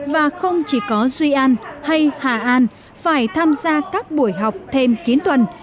và không chỉ có duy an hay hà an phải tham gia các buổi học thêm kín tuần